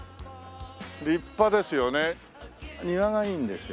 立派ですよね。